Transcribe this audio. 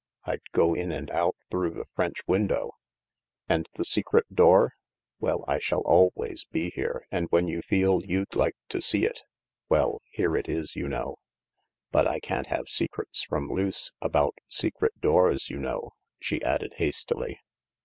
I'd go in and out through the French window/' " And the secret door ?"" Well, I shall always be here, and when you feel you'd like to see it — well, here it is, you know." " But I can't have secrets from Luce — about secret doors, you know," she added hastily.